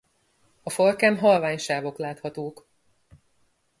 A farkán halvány sávok láthatóak.